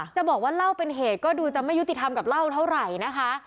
จะบอกว่าเล่าเป็นเหตุก็ดูจะไม่ยุติธรรมกับเล่าเท่าไหร่นะคะ